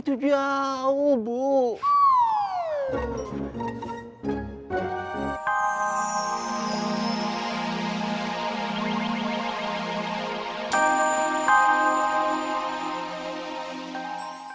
itu kalau dipetak jaraknya tiga km